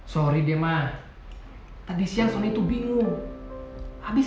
sorry deh mah tadi siang itu bingung habis